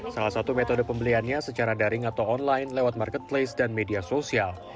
salah satu metode pembeliannya secara daring atau online lewat marketplace dan media sosial